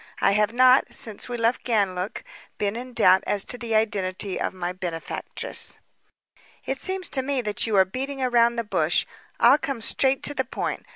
I have not, since we left Ganlook, been in doubt as to the identity of my benefactress." "It seems to me that you are beating around the bush. I'll come straight to the point.